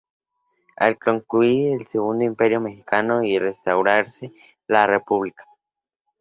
Al concluir el Segundo Imperio Mexicano y restaurarse la República.